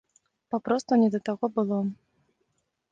Папросту не да таго было.